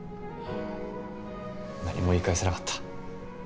何も言い返せなかった。